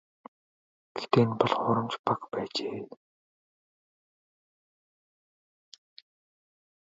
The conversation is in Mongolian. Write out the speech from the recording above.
Гэхдээ энэ бол хуурамч баг байжээ.